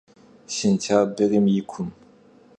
Sêntyabrım yi kum.